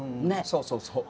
そうそうそう。